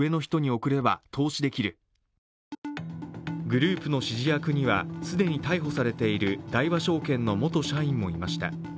グループの指示役には既に逮捕されている大和証券の元社員もいました。